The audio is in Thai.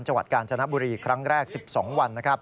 จังหวัดกาญจนบุรีครั้งแรก๑๒วัน